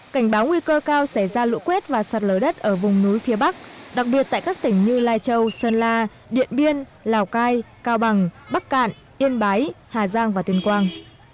cảnh báo nguy cơ cao xảy ra lũ quét và sạt lở đất ở vùng núi phía bắc đặc biệt tại các tỉnh như lai châu sơn la điện biên lào cai cao bằng bắc cạn yên bái hà giang và tuyên quang